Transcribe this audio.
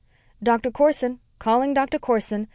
5 "Doctor Corson. Calling Doctor Corson.